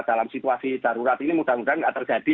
dalam situasi darurat ini mudah mudahan tidak terjadi